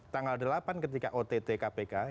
tanggal delapan ketika ott kpk yang dugaan suara